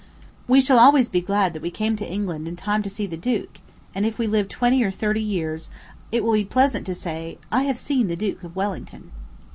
We shall always be glad that we came to England in time to see "the duke," and if we live twenty or thirty years, it will be pleasant to say "I have seen the Duke of Wellington."